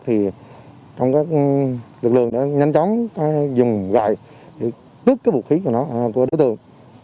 thì trong các lực lượng đã nhanh chóng dùng gại tước cái vũ khí của nó của đối tượng